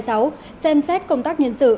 xem xét công tác nhân sự